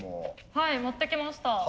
はい持ってきました。